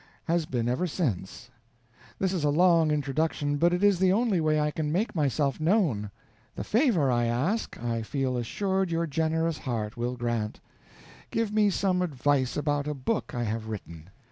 Has been ever since. This is a long introduction but it is the only way I can make myself known. The favor I ask I feel assured your generous heart will grant: Give me some advice about a book I have written.